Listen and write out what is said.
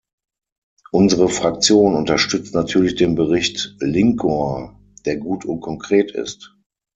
Unsere Fraktion unterstützt natürlich den Bericht Linkohr, der gut und konkret ist.